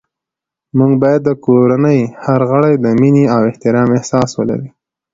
موږ باید د کورنۍ هر غړی د مینې او احترام احساس ولري